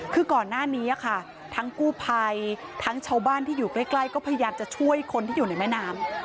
คือก่อนหน้านี้ค่ะทั้งกู้ภัยทั้งชาวบ้านที่อยู่ใกล้ก็พยายามจะช่วยคนที่อยู่ในแม่น้ำ